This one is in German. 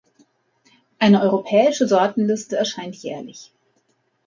Eine europäische Sortenliste erscheint jährlich.